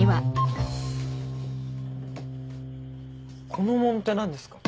このもんって何ですか？